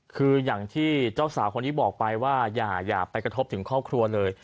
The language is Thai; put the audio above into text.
คืออย่างที่เจ้าสาวคนนี้บอกไปว่าอย่าไปกระทบถึงครอบครัวเลย